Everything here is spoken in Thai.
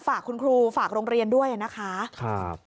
ฝากคุณครูฝากโรงเรียนด้วยนะคะ